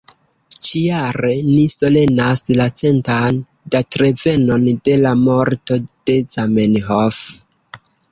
Ĉi-jare ni solenas la centan datrevenon de la morto de Zamenhof.